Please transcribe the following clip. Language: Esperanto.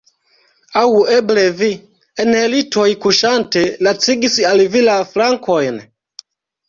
Aŭ eble vi, en litoj kuŝante, lacigis al vi la flankojn?